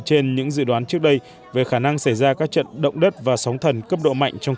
trên những dự đoán trước đây về khả năng xảy ra các trận động đất và sóng thần cấp độ mạnh trong